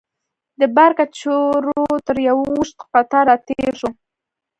د بار کچرو تر یوه اوږد قطار راتېر شوو.